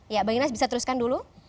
ya bang inas bisa teruskan dulu